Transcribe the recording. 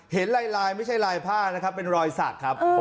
เห็นไล่ลายไม่ใช่ไล่ผ้านะเป็นรอยซากครับ